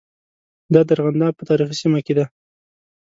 دا د ارغنداب په تاریخي سیمه کې دي.